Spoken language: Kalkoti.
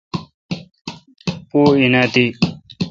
پو این اؘ تی۔